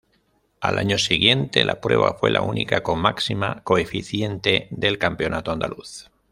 Al año siguiente la prueba fue la única con máxima coeficiente del campeonato andaluz.